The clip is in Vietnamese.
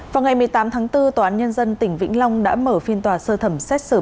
vào ngày một mươi tám tháng bốn tòa án nhân dân tỉnh vĩnh long đã mở phiên tòa sơ thẩm xét xử